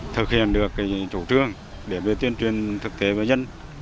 thực hiện được chủ trương để tuyên truyền thực tế với dân